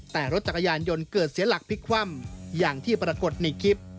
แต่รถจักรยานยนต์เกิดเสียหลักพลิกคว่ำอย่างที่ปรากฏในคลิป